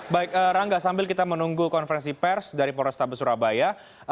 baik rangga sambil kita menunggu konferensi pers dari polrestabes surabaya